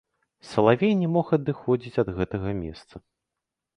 Салавей не мог адыходзіць ад гэтага месца.